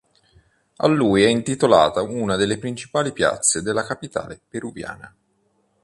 A lui è intitolata una delle principali piazze della capitale peruviana.